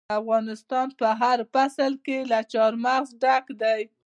افغانستان په هر فصل کې له چار مغز ډک دی.